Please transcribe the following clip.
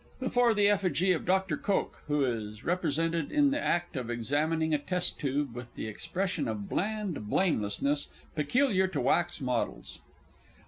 _Before the effigy of Dr. Koch, who is represented in the act of examining a test tube with the expression of bland blamelessness peculiar to Wax Models.